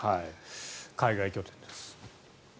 海外拠点です。